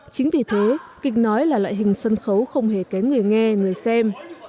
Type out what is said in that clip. chính vì thế kịch nói là loại hình sân khấu không hề kém người nghe người xem